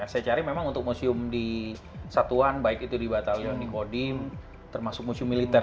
saya cari memang untuk museum di satuan baik itu di batalion di kodim termasuk museum militer